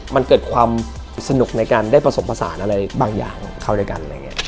มันเกิดความสนุกในการได้ประสบประสานอะไรบางอย่างเข้าด้วยกัน